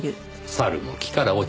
猿も木から落ちますよ。